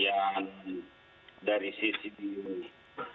yang pertama adalah mobilitas penduduk yang sangat tinggi